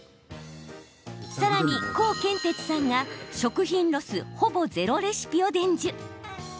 さらに、コウケンテツさんが食材ロスほぼゼロレシピを伝授。